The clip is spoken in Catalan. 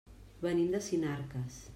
Venim de Sinarques.